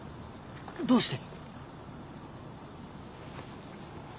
どうして？